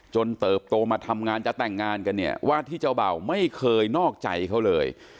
เติบโตมาทำงานจะแต่งงานกันเนี่ยว่าที่เจ้าเบ่าไม่เคยนอกใจเขาเลย